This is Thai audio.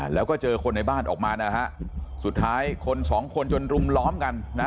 แล้วก็เจอคนในบ้านออกมานะฮะสุดท้ายคนสองคนจนรุมล้อมกันนะ